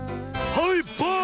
はいバーン！